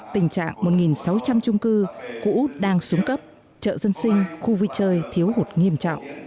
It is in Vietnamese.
tình trạng một sáu trăm linh trung cư cũ đang xuống cấp chợ dân sinh khu vui chơi thiếu hụt nghiêm trọng